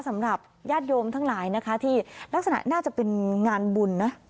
สำหรับญาติโยมทั้งหลายนะคะที่ลักษณะน่าจะเป็นงานบุญนะ